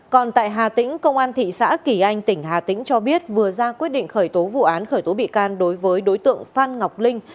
còn tại hà tĩnh công an thị xã kỳ anh tỉnh hà tĩnh cho biết vừa ra quyết định khởi tố vụ án khởi tố bị can đối với đối tượng phan ngọc linh